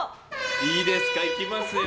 いいですか、いきますよ。